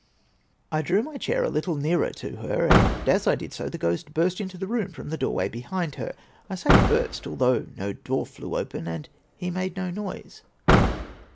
I drew my chair a little nearer to her, and as I did so the ghost burst into the room from the doorway behind her. I say burst, although no door flew open and he made no noise.